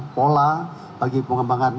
pola bagi pengembangan